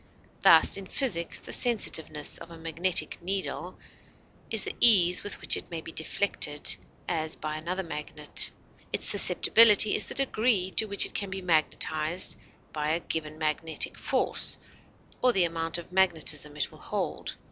Thus, in physics, the sensitiveness of a magnetic needle is the ease with which it may be deflected, as by another magnet; its susceptibility is the degree to which it can be magnetized by a given magnetic force or the amount of magnetism it will hold.